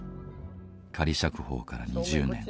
仮釈放から２０年。